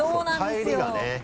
帰りがね。